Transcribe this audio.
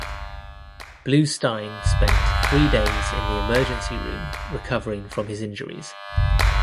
Bluestein spent three days in the emergency room recovering from his injuries.